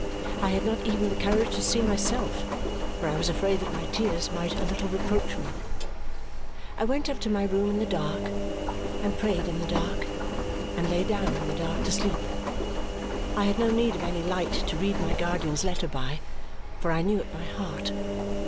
I had not even the courage to see myself, for I was afraid that my tears might a little reproach me. I went up to my room in the dark, and prayed in the dark, and lay down in the dark to sleep. I had no need of any light to read my guardian's letter by, for I knew it by heart.